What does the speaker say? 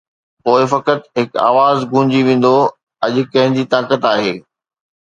پوءِ فقط هڪ آواز گونجي ويندو: ’اڄ ڪنهن جي طاقت آهي‘؟